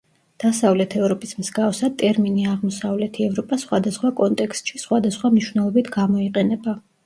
დასავლეთ ევროპის მსგავსად, ტერმინი აღმოსავლეთი ევროპა სხვადასხვა კონტექსტში სხვადასხვა მნიშვნელობით გამოიყენება.